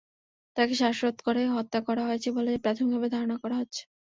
তাঁকে শ্বাসরোধ করে হত্যা করা হয়েছে বলে প্রাথমিকভাবে ধারণা করা হচ্ছে।